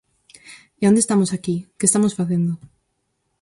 ¿E onde estamos aquí?, ¿que estamos facendo?